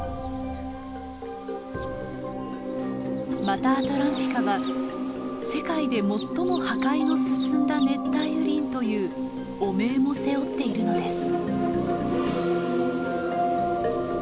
マタアトランティカは世界で最も破壊の進んだ熱帯雨林という汚名も背負っているのです。